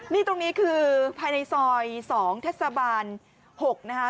นี่ตรงนี้คือภายในซอย๒เทศบาล๖นะคะ